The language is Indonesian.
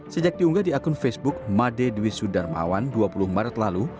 sejak diunggah di akun facebook made dwi sudarmawan dua puluh maret lalu